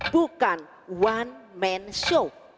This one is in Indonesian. bukan one man show